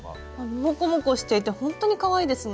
モコモコしていてほんとにかわいいですね。